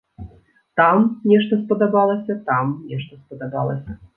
Там нешта спадабалася, там нешта спадабалася.